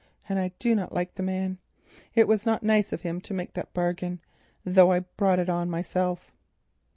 And I do not like the man. It was not nice of him to make that bargain, though I brought it on myself.